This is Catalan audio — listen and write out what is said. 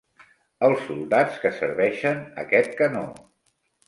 Els soldats que serveixen aquest canó.